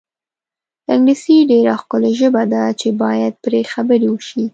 انګلیسي ډېره ښکلې ژبه ده چې باید پرې خبرې وشي.